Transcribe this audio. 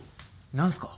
何すか？